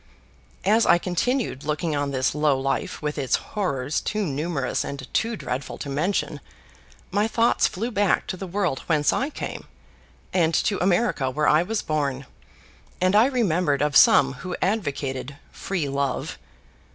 As I continued looking on this low life with its horrors too numerous and too dreadful to mention, my thoughts flew back to the world whence I came, and to America where I was born, and I remembered of some who advocated "Free Love."